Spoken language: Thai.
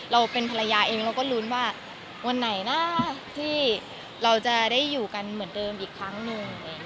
เราเป็นภรรยาเองเราก็ลุ้นว่าวันไหนนะที่เราจะได้อยู่กันเหมือนเดิมอีกครั้งหนึ่ง